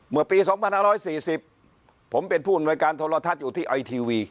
เมื่อปีสองพันห้าร้อยสี่สิบผมเป็นผู้อุณหวัยการธนรทัศน์อยู่ที่ไอทีวี